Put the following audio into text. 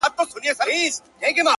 مګر سوځي یو د بل کلي کورونه٫